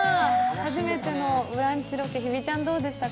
初めての「ブランチ」ロケ日比ちゃん、どうでしたか？